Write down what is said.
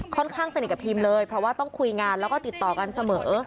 สนิทกับพิมเลยเพราะว่าต้องคุยงานแล้วก็ติดต่อกันเสมอ